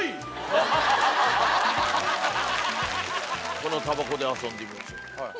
このたばこで遊んでみましょう。